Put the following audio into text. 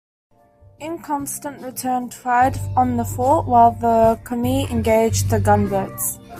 "Inconstant" returned fired on the fort while the "Comete" engaged the gunboats.